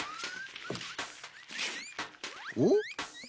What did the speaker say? おっ？